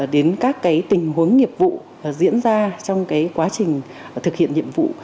đến các tình huống nghiệp vụ diễn ra trong quá trình thực hiện nhiệm vụ